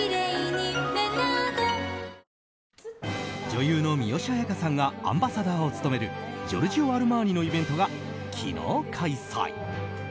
女優の三吉彩花さんがアンバサダーを務めるジョルジオ・アルマーニのイベントが、昨日開催。